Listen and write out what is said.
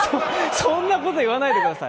そんなこと言わないでください。